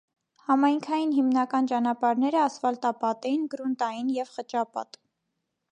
Համայնքային հիմնական ճանապարհները ասֆալտապատ էին, գրունտային և խճապատ։